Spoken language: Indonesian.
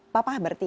papa berarti ya